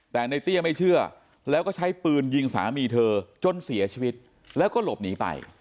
แต่ในเตี้ยไม่เชื่อแล้วก็ใช้ปืนยิงสามีเธอจนเสียชีวิตแล้วก็หลบหนีไป